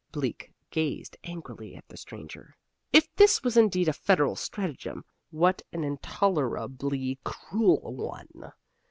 Bleak gazed angrily at the stranger. If this was indeed a federal stratagem, what an intolerably cruel one!